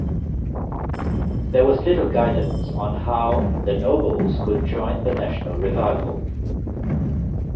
There was little guidance on how the nobles could join the National Revival.